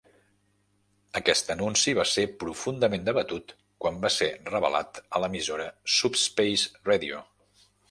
Aquest anunci va ser profundament debatut quan va ser revelat a l'emissora Subspace Radio.